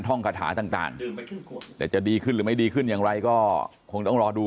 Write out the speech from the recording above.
ท่องคาถาต่างแต่จะดีขึ้นหรือไม่ดีขึ้นอย่างไรก็คงต้องรอดู